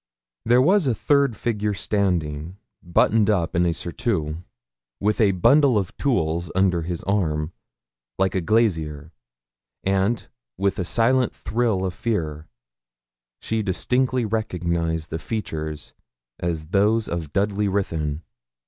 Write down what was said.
There was a third figure standing, buttoned up in a surtout, with a bundle of tools under his arm, like a glazier, and, with a silent thrill of fear, she distinctly recognised the features as those of Dudley Ruthyn.